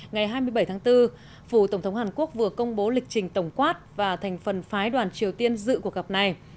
ngày hai mươi bảy tháng bốn phủ tổng thống hàn quốc vừa công bố lịch trình tổng quát và thành phần phái đoàn triều tiên dự cuộc gặp này